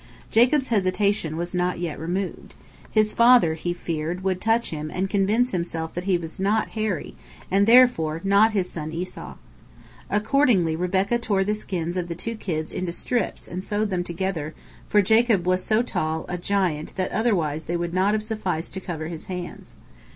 Jacob's hesitation was not yet removed. His father, he feared, would touch him and convince himself that he was not hairy, and therefore not his son Esau. Accordingly, Rebekah tore the skins of the two kids into strips and sewed them together, for Jacob was so tall a giant that otherwise they would not have sufficed to cover his hands.